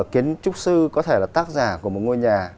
kiến trúc sư có thể là tác giả của một ngôi nhà